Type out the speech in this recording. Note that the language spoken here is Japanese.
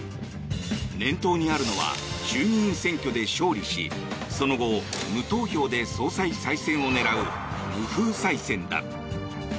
念頭にあるのは衆議院選挙で勝利しその後、無投票で総裁再選を狙う無風再選だ。